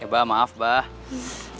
ya pak maaf pak